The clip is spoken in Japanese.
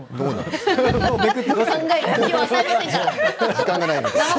時間がないので。